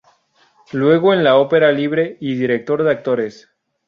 Luego en la opera libre y director de actores.